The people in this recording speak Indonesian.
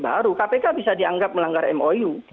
baru kpk bisa dianggap melanggar mou